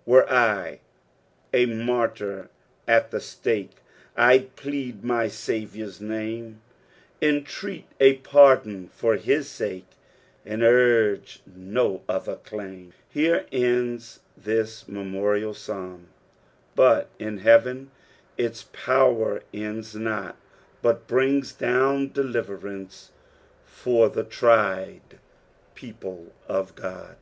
" Were I a martyr at the stake, I'd plead nw aavjour's name, Intreat a pardon for hlo sake. And uijfe no oUier claim." Here ends this memorable Psalm, but iu heaven its power ends not, but Ininga down deliverance for the tried people of God.